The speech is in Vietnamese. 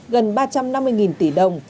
gần ba trăm năm mươi tỷ đồng